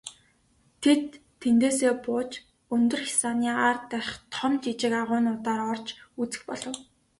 Тэд тэндээсээ бууж өндөр хясааны ар дахь том жижиг агуйнуудаар орж үзэх болов.